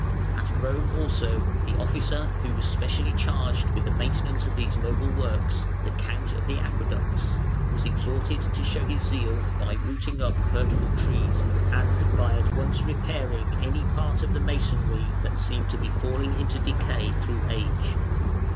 At Rome also the officer who was specially charged with the maintenance of these noble works, the "Count of the Aqueducts", was exhorted to show his zeal by rooting up hurtful trees, and by at once repairing any part of the masonry that seemed to be falling into decay through age.